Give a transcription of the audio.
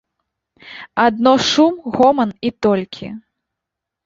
Адно шум, гоман, і толькі.